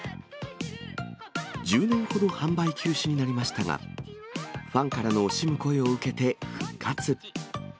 １０年ほど販売休止になりましたが、ファンからの惜しむ声を受けて復活。